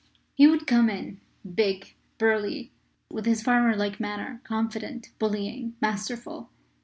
He would come in, big, burly, with his farmer like manner confident, bullying, masterful.